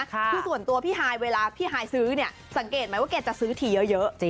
คือส่วนตัวพี่ฮายเวลาพี่ฮายซื้อเนี่ยสังเกตไหมว่าแกจะซื้อทีเยอะ